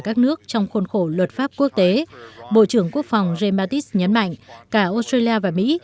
các nước trong khuôn khổ luật pháp quốc tế bộ trưởng quốc phòng james mattis nhấn mạnh cả australia và mỹ